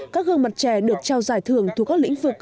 các gương mặt trẻ được trao giải thưởng thuộc các lĩnh vực